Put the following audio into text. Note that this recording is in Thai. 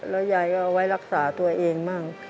แล้วยายก็เอาไว้รักษาตัวเองบ้าง